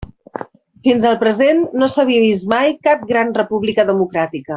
Fins al present no s'havia vist mai cap gran república democràtica.